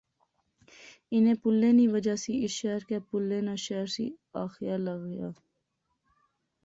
انیں پلیں نیاں وجہ تھی اس شہرے کی پلیں ناں شہر سی آخیا لخیا